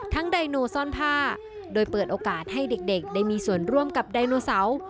ไดโนซ่อนผ้าโดยเปิดโอกาสให้เด็กได้มีส่วนร่วมกับไดโนเสาร์